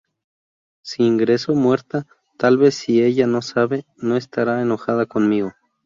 Sí regreso muerta, tal vez sí ella no sabe, no estará enojada conmigo.